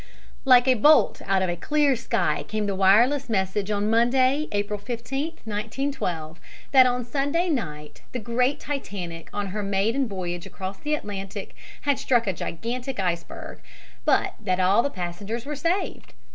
LIKE a bolt out of a clear sky came the wireless message on Monday, April 15, 1912, that on Sunday night the great Titanic, on her maiden voyage across the Atlantic, had struck a gigantic iceberg, but that all the passengers were saved.